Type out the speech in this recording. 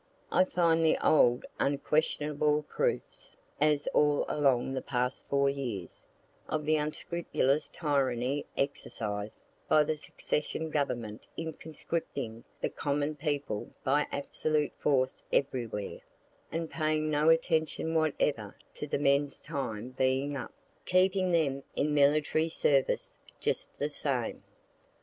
I find the old, unquestionable proofs, as all along the past four years, of the unscrupulous tyranny exercised by the secession government in conscripting the common people by absolute force everywhere, and paying no attention whatever to the men's time being up keeping them in military service just the same.